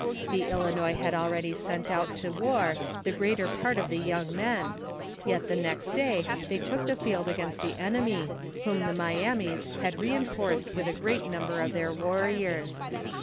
Tlie Ilinois had already sent out to war the greater part of the young men, yet the next day they took the field against the enemy, whom the Myamis had rein forced with a great number of their warriore.